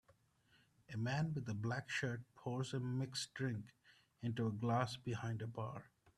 A man with a black shirt pours a mixed drink into a glass behind a bar.